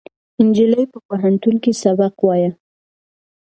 نجلۍ په پوهنتون کې سبق وایه.